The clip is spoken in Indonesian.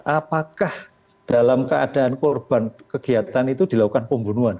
apakah dalam keadaan korban kegiatan itu dilakukan pembunuhan